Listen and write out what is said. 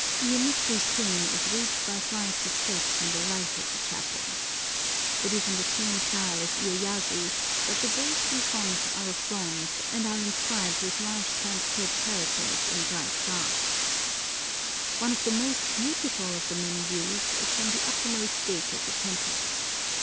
Iyémitsu's tomb is reached by flights of steps on the right of the chapel. It is in the same style as Iyéyasu's, but the gates in front are of bronze, and are inscribed with large Sanskrit characters in bright brass. One of the most beautiful of the many views is from the uppermost gate of the temple.